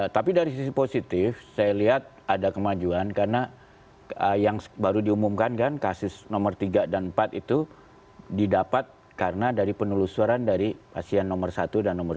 tapi dari sisi positif saya lihat ada kemajuan karena yang baru diumumkan kan kasus nomor tiga dan empat itu didapat karena dari penelusuran dari pasien nomor satu dan nomor tiga